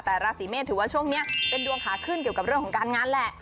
แต่ราศีเมษถือว่าช่วงนี้เป็นดวงขาขึ้นเกี่ยวกับเรื่องของการงานแหละ